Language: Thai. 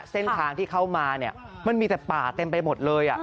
เส้นทางที่เข้ามามันมีแต่ป่าเต็มไปหมดเลย